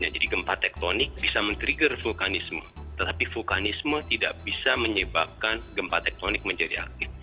jadi gempa tektonik bisa men trigger vulkanisme tetapi vulkanisme tidak bisa menyebabkan gempa tektonik menjadi aktif